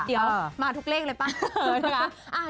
เดี๋ยวมาทุกเลขเลยป่ะนะคะ